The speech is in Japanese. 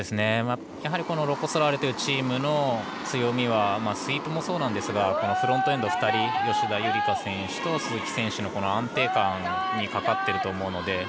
やはりロコ・ソラーレというチームの強みはスイープもそうですがフロントエンドの２人吉田夕梨花選手と鈴木選手の安定感にかかっていると思うので。